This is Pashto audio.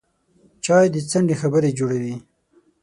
چای د څنډې خبرې جوړوي